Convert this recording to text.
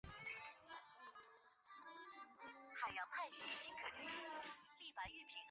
巴丹蜗为南亚蜗牛科班卡拉蜗牛属下的一个种。